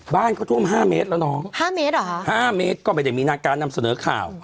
บ้านเขาท่วมห้าเมตรแล้วน้องห้าเมตรเหรอคะ๕เมตรก็ไม่ได้มีการนำเสนอข่าว